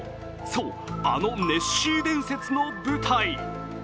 そう、あのネッシー伝説の舞台。